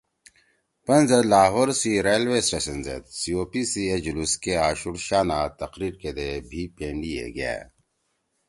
پن زید لاہور سی ریلوے سٹیشن زید COP سی اے جلوس کے آشُوڑ شانا تقریر کیدے بھی پینڈی ئے گأ